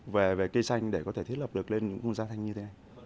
về cây xanh để có thể thiết lập được lên những không gian xanh như thế này